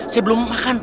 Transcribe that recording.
saya belum makan